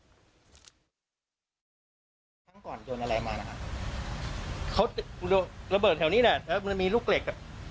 ครั้งก่อนโดนอะไรมานะฮะเขาระเบิดแถวนี้แหละแล้วมันมีลูกเหล็กอ่ะ